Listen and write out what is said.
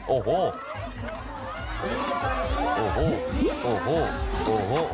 โอ้โหคุณ